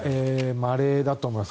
まれだと思います。